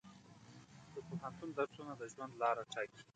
د پوهنتون درسونه د ژوند لاره ټاکي.